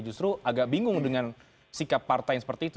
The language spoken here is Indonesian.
justru agak bingung dengan sikap partai yang seperti itu